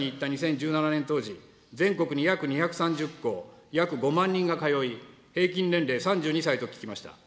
私が調査に行った２０１７年当時、全国に約２３０校、約５万人が通い、平均年齢３２歳と聞きました。